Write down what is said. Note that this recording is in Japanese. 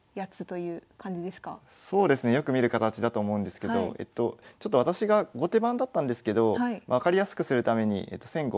そうですねよく見る形だと思うんですけどちょっと私が後手番だったんですけど分かりやすくするために先後を反転させています。